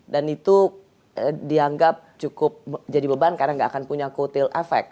dan itu dianggap cukup jadi beban karena nggak akan punya kutil efek